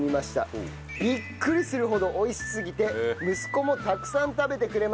ビックリするほど美味しすぎて息子もたくさん食べてくれました。